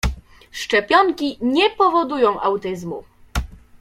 Szczepionki nie powodują autyzmu.